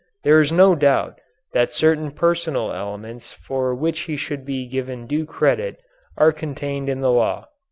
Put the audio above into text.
There is no doubt that certain personal elements for which he should be given due credit are contained in the law.